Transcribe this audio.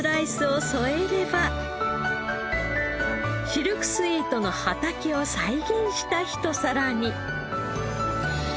シルクスイートの畑を再現したひと皿に。